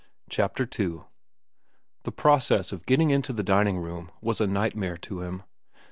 CHAPTER II. The process of getting into the dining room was a nightmare to him.